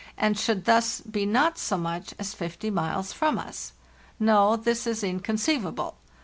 and should thus be not so much as 50 miles from us. No, this is inconceivable.